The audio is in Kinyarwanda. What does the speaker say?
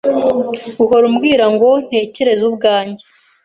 Uhora umbwira ngo ntekereze ubwanjye.